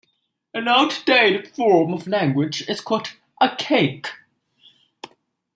An outdated form of language is called archaic.